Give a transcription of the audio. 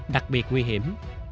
đặc biệt nguy hiểm